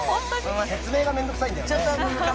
説明が面倒くさいよね。